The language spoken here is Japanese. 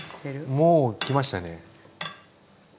もう来ましたね。